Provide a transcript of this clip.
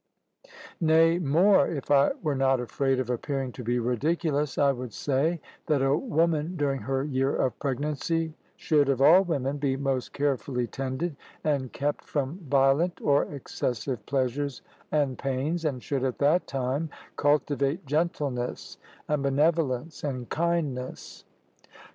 Nay, more, if I were not afraid of appearing to be ridiculous, I would say that a woman during her year of pregnancy should of all women be most carefully tended, and kept from violent or excessive pleasures and pains, and should at that time cultivate gentleness and benevolence and kindness.